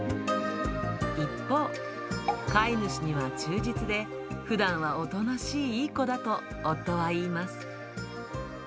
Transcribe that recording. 一方、飼い主には忠実で、ふだんはおとなしいいい子だと、夫はいいます。